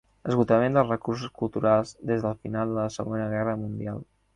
L'esgotament dels recursos culturals des del final de la segona guerra mundial.